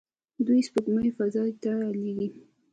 دوی سپوږمکۍ فضا ته لیږي.